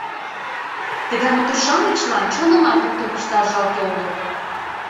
— Тыгай мотор-шамычлан чонымат луктын пышташ жалке огыл!